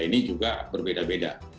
ini juga berbeda beda